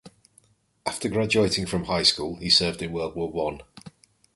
After graduating from high school, he served in World War One.